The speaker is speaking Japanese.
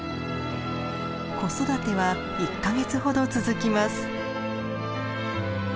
子育ては１か月ほど続きます。